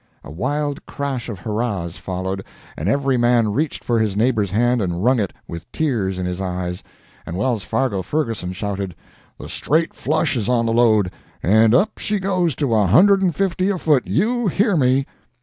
A wild crash of hurrahs followed, and every man reached for his neighbor's hand and wrung it, with tears in his eyes; and Wells Fargo Ferguson shouted, "The Straight Flush is on the lode, and up she goes to a hunched and fifty a foot you hear me!"